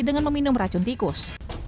dengan meminum racun tikus